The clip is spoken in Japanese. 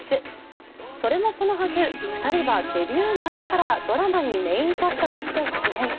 それもそのはず、２人はデビュー前からドラマにメインキャストとして出演。